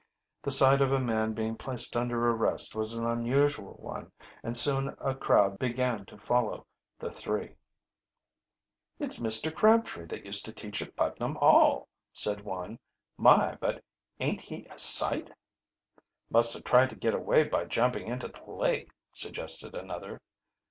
The sight of a man being placed under arrest was an unusual one, and soon a crowd began to follow the three. "It's Mr. Crabtree that used to teach at Putnam Hall," said one. "My, but ain't he a sight." "Must have tried to get away by jumping into the lake," suggested another.